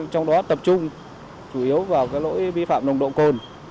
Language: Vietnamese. trong đó tập trung chủ yếu vào lỗi vi phạm nồng độ cồn